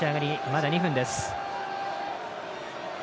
まだ２分です。